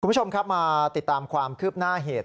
คุณผู้ชมครับมาติดตามความคืบหน้าเหตุ